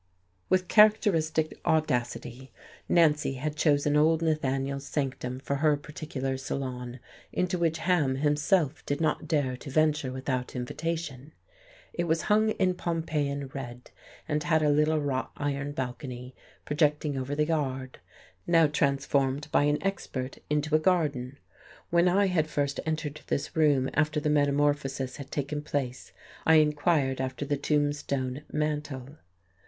With characteristic audacity Nancy had chosen old Nathaniel's sanctum for her particular salon, into which Ham himself did not dare to venture without invitation. It was hung in Pompeiian red and had a little wrought iron balcony projecting over the yard, now transformed by an expert into a garden. When I had first entered this room after the metamorphosis had taken place I inquired after the tombstone mantel.